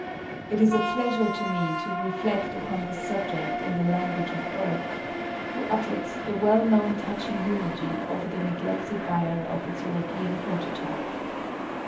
It is a pleasure to me to reflect upon this subject in the language of Burke, who uttered the well known touching eulogy over the neglected bier of its European prototype.